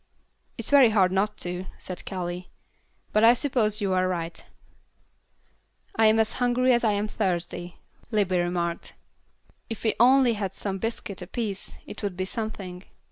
"It's very hard not to," said Callie, "but I suppose you are right." "I am as hungry as I am thirsty," Libbie remarked. "If we only had one biscuit apiece, it would be something."